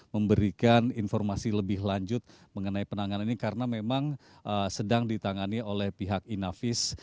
memberikan informasi lebih lanjut mengenai penanganan ini karena memang sedang ditangani oleh pihak inavis